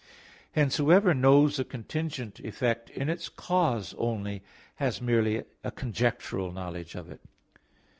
Hence, whoever knows a contingent effect in its cause only, has merely a conjectural knowledge of it.